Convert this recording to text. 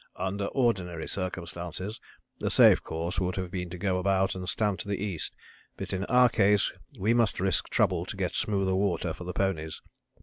"Under ordinary circumstances the safe course would have been to go about and stand to the east. But in our case we must risk trouble to get smoother water for the ponies.